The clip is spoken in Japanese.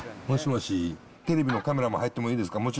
もしもし、テレビのカメラも入ってもいいですか？